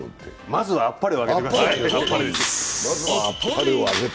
まずはあっぱれをあげてください！